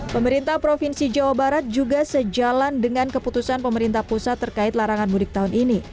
pemerintah provinsi jawa barat juga sejalan dengan keputusan pemerintah pusat terkait larangan mudik tahun ini